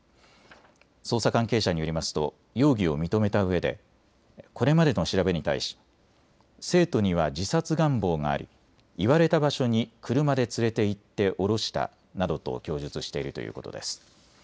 捜査関係者によりますと容疑を認めたうえでこれまでの調べに対し、生徒には自殺願望があり言われた場所に車で連れて行って降ろしたなどと供述しているということです。